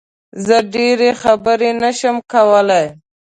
زه ډېری خبرې نه شم کولی